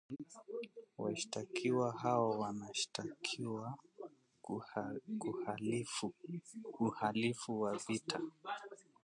Washtakiwa hao wanashtakiwa kwa uhalifu wa vita